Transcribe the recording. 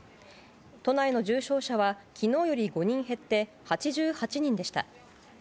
都内の重症者は昨日より減って８８人でした。